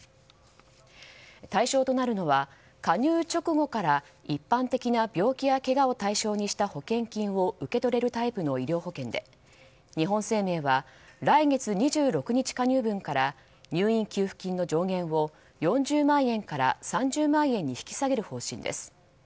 対象となるのは加入直後から一般的な病気やけがを対象にした保険金を受け取れるタイプの医療保険で日本生命は来月２６日加入分から入院給付金の上限を４０万円から３０万円に引き下げる方針です。